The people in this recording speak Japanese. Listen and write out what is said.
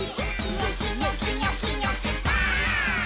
「ニョキニョキニョキニョキバーン！」